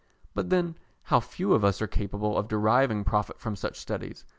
But then how few of us are capable of deriving profit from such studies.